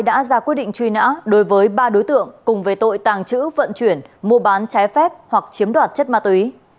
đã ra quyết định truy nã đối với ba đối tượng cùng về tội tàng trữ vận chuyển mua bán trái phép hoặc chiếm đoạt chất ma túy